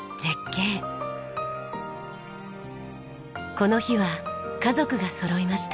この日は家族がそろいました。